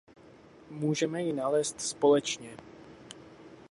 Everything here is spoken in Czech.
Můžeme ji nalézt společně.